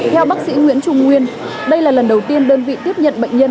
theo bác sĩ nguyễn trung nguyên đây là lần đầu tiên đơn vị tiếp nhận bệnh nhân